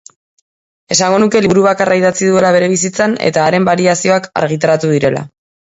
Esango nuke liburu bakarra idatzi duela bere bizitzan eta haren bariazioak argitaratu direla.